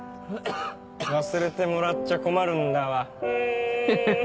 忘れてもらっちゃ困るんだわうん。